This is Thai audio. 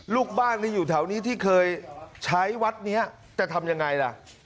ลูกบ้านที่อยู่แถวนี้ที่เคยใช้วัดนี้จะทำยังไงล่ะ